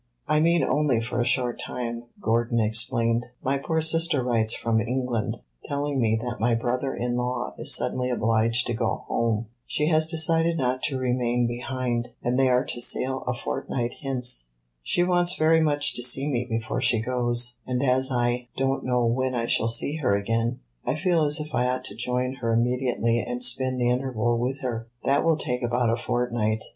"I mean only for a short time," Gordon explained. "My poor sister writes from England, telling me that my brother in law is suddenly obliged to go home. She has decided not to remain behind, and they are to sail a fortnight hence. She wants very much to see me before she goes, and as I don't know when I shall see her again, I feel as if I ought to join her immediately and spend the interval with her. That will take about a fortnight."